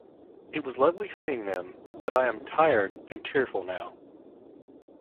It was lovely seeing them, but I am tired and tearful now.